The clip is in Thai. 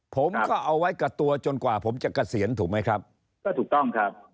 ผมก็เอาไว้กับตัวจนกว่าผมจะเกษียณถูกไหมครับก็ถูกต้องครับ